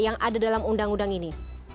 yang ada dalam undang undang ini